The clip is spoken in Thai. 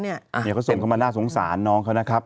เนี่ยเขาส่งเข้ามาน่าสงสารน้องเขานะครับ